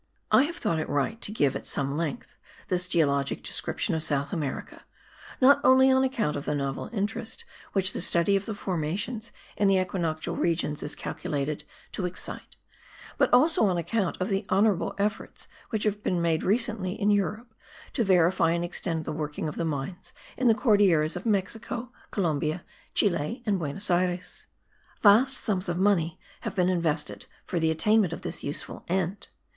I have thought it right to give at some length this geologic description of South America, not only on account of the novel interest which the study of the formations in the equinoctial regions is calculated to excite, but also on account of the honourable efforts which have recently been made in Europe to verify and extend the working of the mines in the Cordilleras of Columbia, Mexico, Chile and Buenos Ayres. Vast sums of money have been invested for the attainment of this useful end.